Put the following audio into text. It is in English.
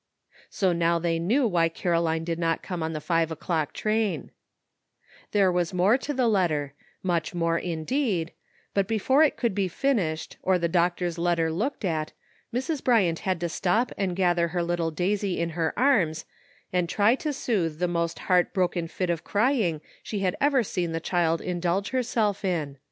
So now they knew why Caroline did not come on the five o'clock train There was more to the letter — much more, indeed — but before it could be finished, or the doctor's letter looked at, Mrs. Bryant had to stop and gather her little Daisy in her arms and try to soothe the most heart broken fit of crying she had ever seen the child indulge herself in.